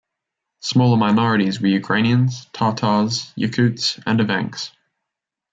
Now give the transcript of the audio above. Smaller minorities were Ukrainians, Tatars, Yakuts and Evenks.